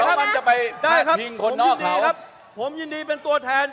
ผมยินดีครับผมยินดีเป็นตัวแทน